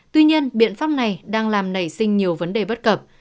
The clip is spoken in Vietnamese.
tuy nhiên biện pháp này đang làm nảy sinh nhiều vấn đề bất cập